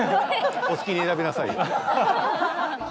お好きに選びなさいよ